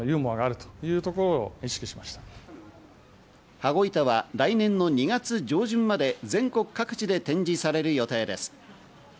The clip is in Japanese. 羽子板は来年の２月上旬まで全国各地で展示される予定です。